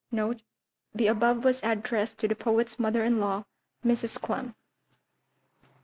1849. [The above was addressed to the poet's mother in law, Mrs. Clemm—Ed.